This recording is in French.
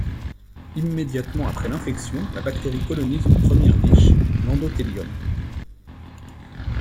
Immédiatement après l'infection, la bactérie colonise une première niche, l'endothélium.